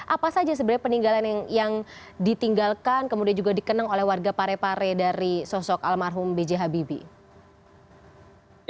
apa saja sebenarnya peninggalan yang ditinggalkan kemudian juga dikenang oleh warga parepare dari sosok almarhum b j habibie